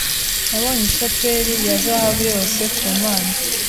Nabonye ishapeli ya zahabu yose kumana